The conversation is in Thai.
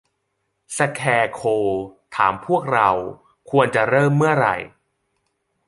สแคร์โคร์วถามพวกเราควรจะเริ่มเมื่อไหร่